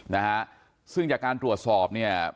นะคะซึ่งจากการตรวจสอบ